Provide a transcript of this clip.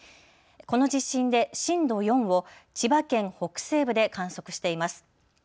この地震で震度４を千葉県北西部で観測しています。